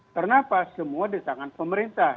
kenapa semua di tangan pemerintah